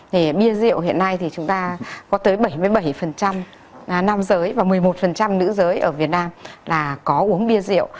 thì bia rượu hiện nay thì chúng ta có tới bảy mươi bảy nam giới và một mươi một nữ giới ở việt nam là có uống bia rượu